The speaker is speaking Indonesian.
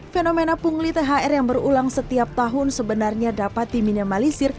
fenomena pungli thr yang berulang setiap tahun sebenarnya dapat diminimalisir